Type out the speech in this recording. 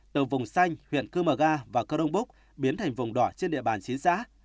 từ vùng xanh huyện cư mờ ga và cơ đông búc biến thành vùng đỏ trên địa bàn chín xã